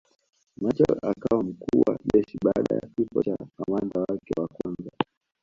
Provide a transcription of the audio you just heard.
Machel akawa mkuu wa jeshi baada ya kifo cha kamanda wake wa kwanza